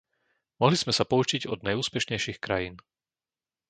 Mohli sme sa poučiť od najúspešnejších krajín.